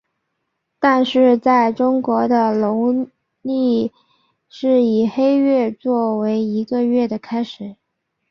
但是在中国的农历是以黑月做为一个月的开始。